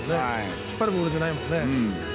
引っ張るボールじゃないもんね。